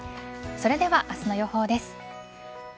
それでは、明日の予報です。